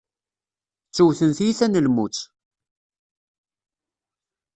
Ttewten tiyita n lmut.